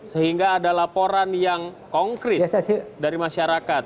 sehingga ada laporan yang konkret dari masyarakat